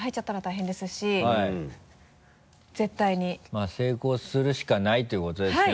まぁ成功するしかないということですね